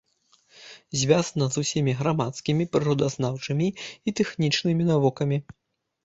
Звязана з усімі грамадскімі, прыродазнаўчымі і тэхнічнымі навукамі.